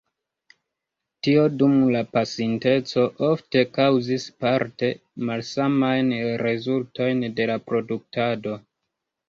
Tio dum la pasinteco ofte kaŭzis parte malsamajn rezultojn de la produktado.